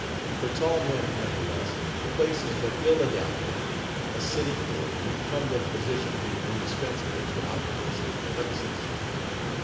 For tall men, nevertheless, the place is but ill adapted; a sitting, or recumbent position being indispensable to an occupancy of the premises.